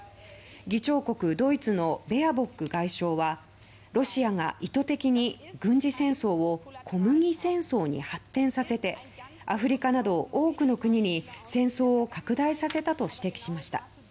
議長国ドイツのベアボック外相はロシアが意図的に軍事戦争を小麦戦争に発展させてアフリカなど多くの国に、戦争を拡大させたと指摘しました。